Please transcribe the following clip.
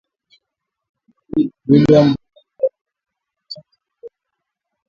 William Ruto na Raila Amollo Odinga wa chama cha Azimio la Umoja